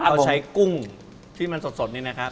อันนี้ใช้กุ้งที่มันสดนะครับ